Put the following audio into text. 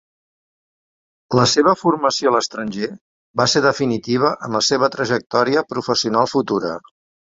La seva formació a l'estranger va ser definitiva en la seva trajectòria professional futura.